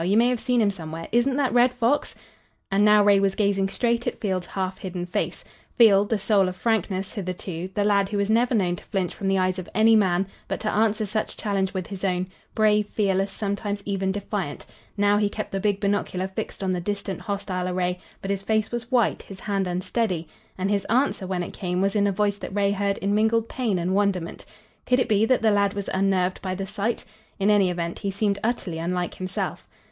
You may have seen him somewhere. Isn't that Red Fox?" And now Ray was gazing straight at Field's half hidden face. Field, the soul of frankness hitherto, the lad who was never known to flinch from the eyes of any man, but to answer such challenge with his own, brave, fearless, sometimes even defiant. Now he kept the big binocular fixed on the distant hostile array, but his face was white, his hand unsteady and his answer, when it came, was in a voice that Ray heard in mingled pain and wonderment. Could it be that the lad was unnerved by the sight? In any event, he seemed utterly unlike himself.